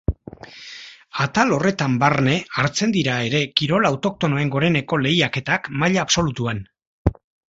Atal horretan barne hartzen dira ere kirol autoktonoen goreneko lehiaketak maila absolutuan.